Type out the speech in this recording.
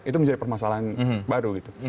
itu menjadi permasalahan baru gitu